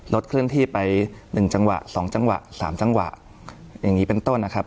เคลื่อนที่ไปหนึ่งจังหวะสองจังหวะสามจังหวะอย่างนี้เป็นต้นนะครับ